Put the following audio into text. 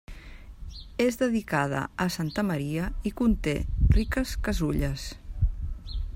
És dedicada a Santa Maria i conté riques casulles.